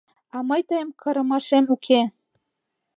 — А мый тыйым кырымашем уке.